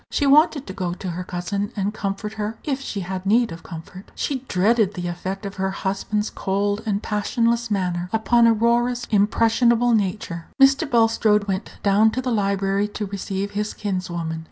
She wanted to go to her cousin, and comfort her, if she had need of comfort. She dreaded the effect of her husband's cold and passionless manner upon Aurora's impressionable nature. Mr. Bulstrode went down to the library to receive his kinswoman.